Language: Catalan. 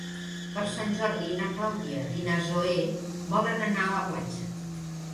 Per Sant Jordi na Clàudia i na Zoè volen anar a la platja.